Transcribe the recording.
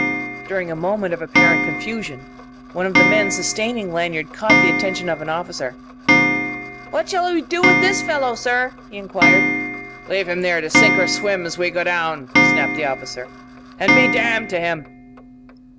During a moment of apparent confusion, one of the men sustaining Lanyard caught the attention of an officer. "What shall we do with this fellow, sir?" he enquired. "Leave him here to sink or swim as we go down," snapped the officer "and be damned to him!"